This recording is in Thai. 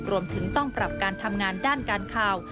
รวมถึงต้องปรับการทำงานด้านการข่าว